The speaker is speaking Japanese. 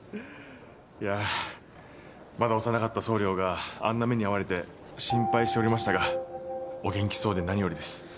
いやぁまだ幼かった総領があんな目に遭われて心配しておりましたがお元気そうで何よりです。